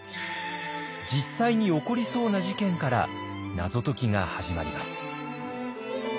実際に起こりそうな事件から謎解きが始まります。